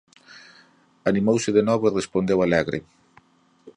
Animouse de novo e respondeu alegre: